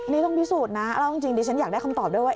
นี่ต้องพิสูจน์นะแล้วจริงดิฉันอยากได้คำตอบด้วยว่า